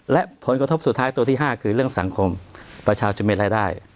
และผลกระทบสุดท้ายตัวที่๕คือเรื่องสังคมประชาชนจะมีรายได้